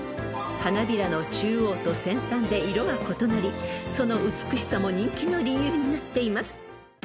［花びらの中央と先端で色が異なりその美しさも人気の理由になっています］